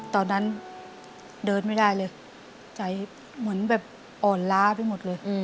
ตอนนั้นเดินไม่ได้เลยใจเหมือนแบบอ่อนล้าไปหมดเลย